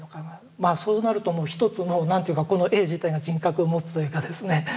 まあそうなると一つの何ていうかこの絵自体が人格を持つというかですね